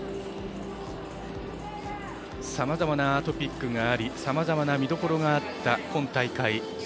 さまざまなトピックがありさまざまな見どころがあった今大会。